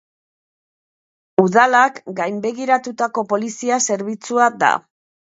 Udalak gainbegiratutako polizia zerbitzua da.